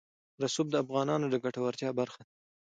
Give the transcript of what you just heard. رسوب د افغانانو د ګټورتیا برخه ده.